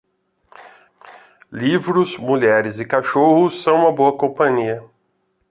Livros, mulheres e cachorros são uma boa companhia.